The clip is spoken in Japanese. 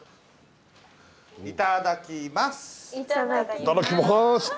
いただきます！